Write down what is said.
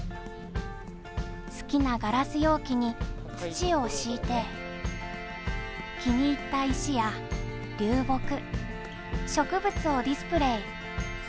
好きなガラス容器に土を敷いて、気に入った石や流木、植物をディスプレー。